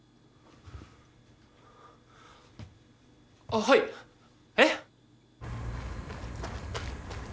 あっはいえっ！？